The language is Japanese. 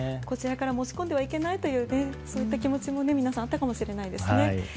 こちらから申し込んではいけないという気持ちも皆さんあったかもしれないですね。